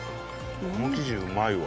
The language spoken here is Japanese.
この生地うまいわ。